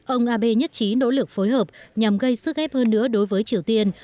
ông abe nhất trí nỗ lực phối hợp nhằm gây sức ép hơn nữa đối với triều tiên